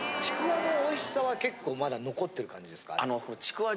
ちくわのおいしさは結構まだ残ってる感じですか？